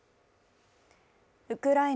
ウクライナ